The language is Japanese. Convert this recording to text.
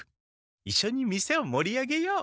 いっしょに店を盛り上げよう。